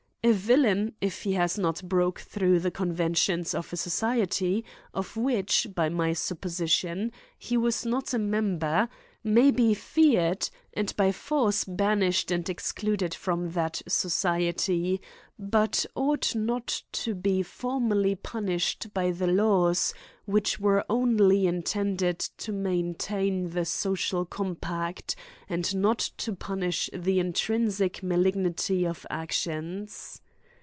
A villain, if he has not broke through the conventions of a society, of which, by my supposition, he was not a member, may be fear ed, and by force banished and excluded from that society, but ought not to be formally punished by the laws, which were only intended to maintain the social compact, and not to punish the intrinsic malignity of actions.